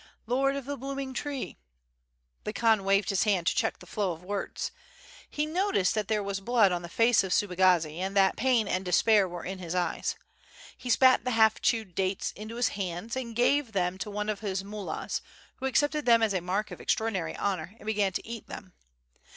Lord of the blooming tree ..." The Khan waved his hand to check the flow of words. He noticed that there was blood on the face of Subagazi and that pain and despair were in his eyes. He spat the half chewed dates into his hand and gave them to one of his mullahs, who accepted them as a mark of extraordinary honor, and began to eat them.